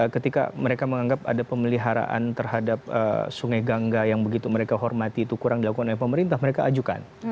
ketika mereka menganggap ada pemeliharaan terhadap sungai gangga yang begitu mereka hormati itu kurang dilakukan oleh pemerintah mereka ajukan